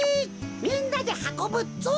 みんなではこぶぞ！